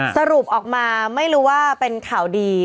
สรุปออกมาไม่รู้ว่าเป็นข่าวดี